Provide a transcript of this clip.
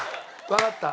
わかった。